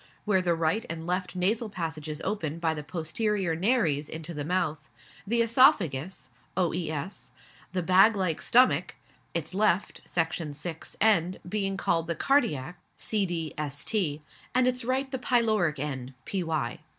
where the right and left nasal passages open by the posterior nares into the mouth; the oesophagus (oes.); the bag like stomach, its left (Section 6) end being called the cardiac (cd.st.), and its right the pyloric end (py.)